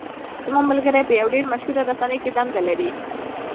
زما ملګری په یوه مشهوره رسنۍ کې دنده لري.